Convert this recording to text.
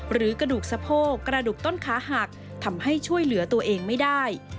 กระดูกสะโพกกระดูกต้นขาหักทำให้ช่วยเหลือตัวเองไม่ได้